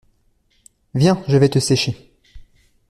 Viens, je vais te sécher.